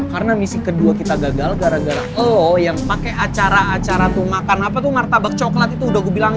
karena misi kedua kita gagal gara gara lo yang pake acara acara tuh makan apa tuh martabak coklat itu udah gue bilang